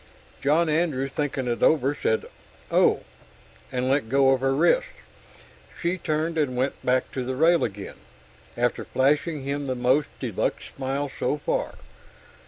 John Andrew, thinking it over, said "Oh," and let go of her wrist. She turned and went back to the rail again, after flashing him the most de luxe smile so far.